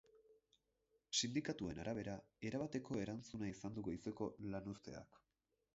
Sindikatuen arabera, erabateko erantzuna izan du goizeko lanuzteak.